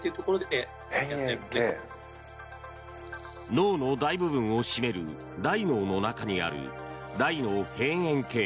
脳の大部分を占める大脳の中にある大脳辺縁系。